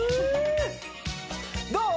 どう？